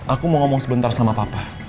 aku mau ngomong sebentar sama papa